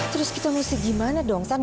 terus kita harus gimana dong san